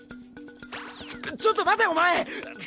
ちょっと待てお前！